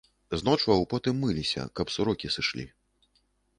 З ночваў потым мыліся, каб сурокі сышлі.